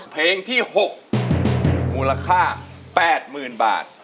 เพลงที่๖มูลค่า๘๐๐๐บาท